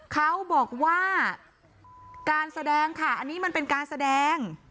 เขาบอกว่าการแสดงค่ะอันนี้มันเป็นการแสดง